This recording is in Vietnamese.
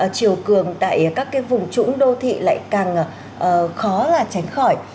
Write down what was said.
chiều cường tại các vùng trũng đô thị lại càng khó là tránh khỏi